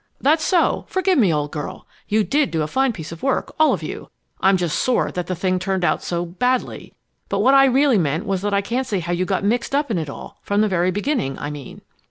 "That's so! Forgive me, old girl! You did do a fine piece of work all of you. I'm just sore because the thing turned out so badly. But what I really meant was that I can't see how you got mixed up in it at all from the very beginning, I mean."